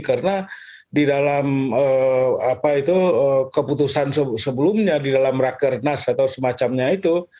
karena di dalam keputusan sebelumnya di dalam rakernas atau semacamnya itu